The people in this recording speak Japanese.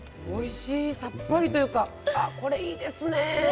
さっぱりというかこれいいですね。